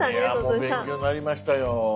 いやもう勉強になりましたよ。